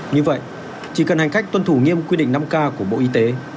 như vậy chỉ cần hành khách tuân thủ nghiêm quy định năm k của bộ y tế